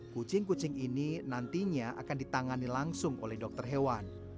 kucing kucing ini nantinya akan ditangani langsung oleh dokter hewan